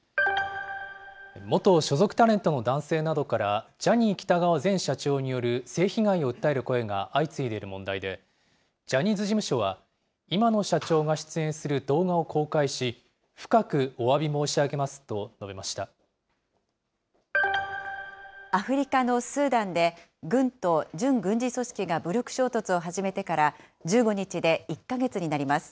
元所属タレントの男性などからジャニー喜多川前社長による性被害を訴える声が相次いでいる問題で、ジャニーズ事務所は、今の社長が出演する動画を公開し、深くおわび申し上げますと述べましアフリカのスーダンで、軍と準軍事組織が武力衝突を始めてから、１５日で１か月になります。